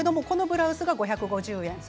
このブラウスが５５０円。